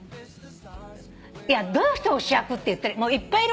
いやどの人を主役っていったらいっぱいいるから。